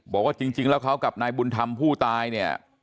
บอกว่าจริงแล้วเขากับนายบุญธรรมผู้ตายเนี่ย